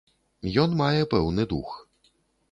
Ён мае пэўны дух.